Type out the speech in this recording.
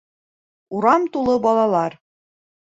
Урам тулы балалар.